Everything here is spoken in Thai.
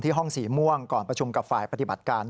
ห้องสีม่วงก่อนประชุมกับฝ่ายปฏิบัติการ